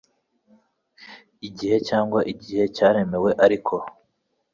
igihe cyangwa igihe cyaremerewe ariko